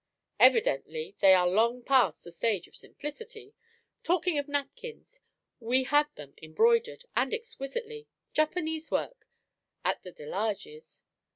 "Evidently they are long past the stage of simplicity. Talking of napkins we had them embroidered and exquisitely Japanese work; at the De Larges'.